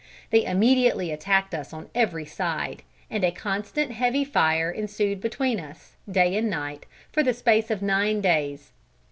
They immediately attacked us on every side, and a constant heavy fire ensued between us, day and night, for the space of nine days.